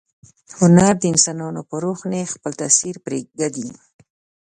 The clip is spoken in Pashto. هنر د انسانانو په روح باندې خپل تاثیر پریږدي.